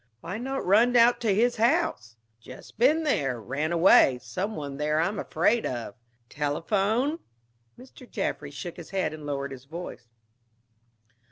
"Why not run out to his house " "Just been there. Ran away. Some one there I'm afraid of." "Telephone?" Mr. Jaffry shook his head and lowered his voice.